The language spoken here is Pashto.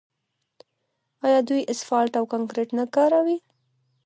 آیا دوی اسفالټ او کانکریټ نه کاروي؟